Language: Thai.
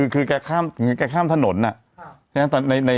คือแกข้ามถนน